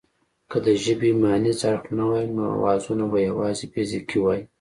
که د ژبې مانیز اړخ نه وای نو اوازونه به یواځې فزیکي وای